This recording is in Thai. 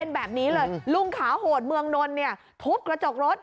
เป็นแบบนี้เลยลุงขาวโหดเมืองนนท์เนี่ยทุบกระจกรถ